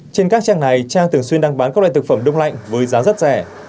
trên các trang này trang thường xuyên đang bán các loại thực phẩm đông lạnh với giá rất rẻ